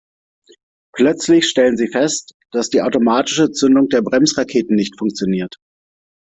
Plötzlich stellen sie fest, dass die automatische Zündung der Bremsraketen nicht funktioniert.